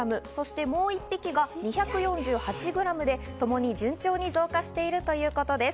もう一匹が２４８ｇでともに順調に増加しているということです。